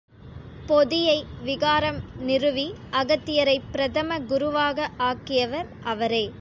பொதியை விகாரம் நிறுவி அகத்தியரைப் பிரதம குருவாக ஆக்கியவர் அவரே.